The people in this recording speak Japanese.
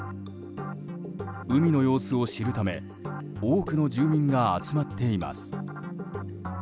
海の様子を知るため多くの住民が集まっています。